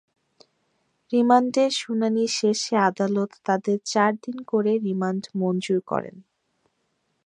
রিমান্ডের শুনানি শেষে আদালত তাঁদের চার দিন করে রিমান্ড মঞ্জুর করেন।